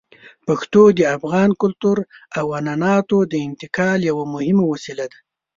پښتو د افغان کلتور او عنعناتو د انتقال یوه مهمه وسیله ده.